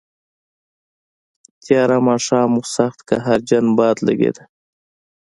تیاره ماښام و، سخت قهرجن باد لګېده.